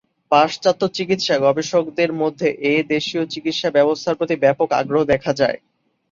পাশ্চাত্য চিকিৎসা গবেষকদের মধ্যে এ দেশিয় চিকিৎসা ব্যবস্থার প্রতি ব্যাপক আগ্রহ দেখা যায়।